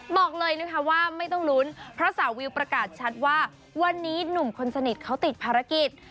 บอกเลยนะคะว่าไม่ต้องลุ้นเพราะสาววิวประกาศชัดว่าวันนี้หนุ่มคนสนิทเขาติดภารกิจ